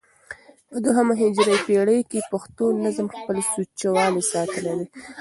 په دوهمه هجري پېړۍ کښي پښتو نظم خپل سوچه والى ساتلى دئ.